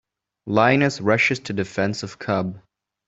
Lioness Rushes to Defense of Cub.